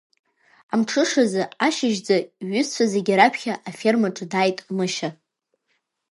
Амҽышазы ашьыжьӡа, иҩызцәа зегьы раԥхьа, афермаҿы дааит Мышьа.